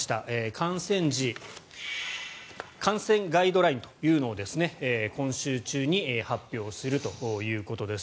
観戦時観戦ガイドラインというのを今週中に発表するということです。